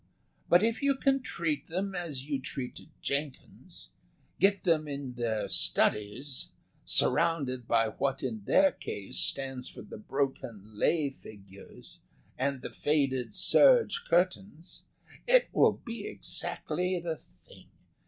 But if you can treat them as you treated Jenkins get them in their studies, surrounded by what in their case stands for the broken lay figures and the faded serge curtains it will be exactly the thing.